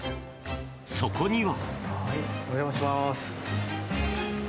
そこには。